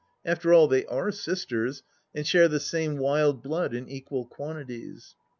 After all, they are sisters and share the same wild blood in equal quantities.